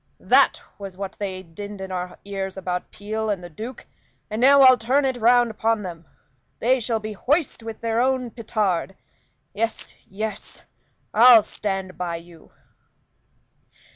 That was what they dinned in our ears about Peel and the Duke; and now I'll turn it round upon them. They shall be hoist with their own petard. Yes, yes, I'll stand by you."